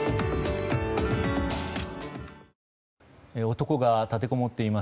男が立てこもっています